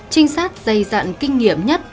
trinh sát dây dặn kinh nghiệm nhất